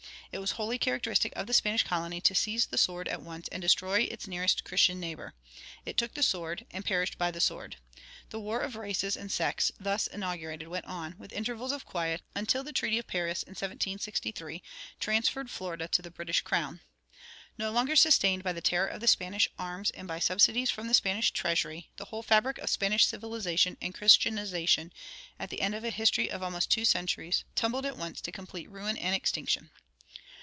It was wholly characteristic of the Spanish colony to seize the sword at once and destroy its nearest Christian neighbor. It took the sword, and perished by the sword. The war of races and sects thus inaugurated went on, with intervals of quiet, until the Treaty of Paris, in 1763, transferred Florida to the British crown. No longer sustained by the terror of the Spanish arms and by subsidies from the Spanish treasury, the whole fabric of Spanish civilization and Christianization, at the end of a history of almost two centuries, tumbled at once to complete ruin and extinction.